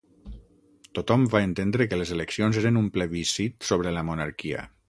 Tothom va entendre que les eleccions eren un plebiscit sobre la Monarquia.